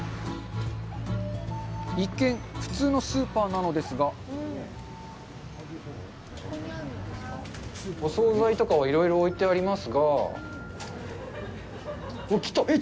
一見、普通のスーパーなのですがお総菜とかはいろいろ置いてありますがうわっ、来た！